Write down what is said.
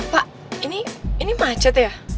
pak ini macet ya